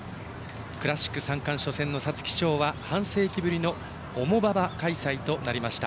クラシック三冠初戦の皐月賞は半世紀ぶりの重馬場開催となりました。